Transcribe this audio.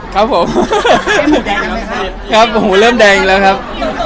ครับผมหูเริ่มแดงแล้วครับ